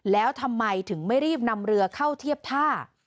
แล้วทำไมถึงไม่รีบนำเรือเข้าเทียบท่า